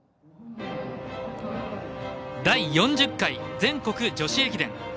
第４０回全国女子駅伝。